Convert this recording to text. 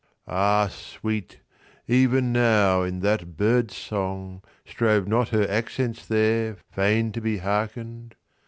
(Ah sweet! Even now, in that bird's song, Strove not her accents there, Fain to be hearken'd?